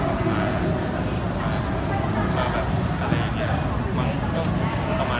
จริงจริงทุกคนนะไม่ใช่แค่แบบว่า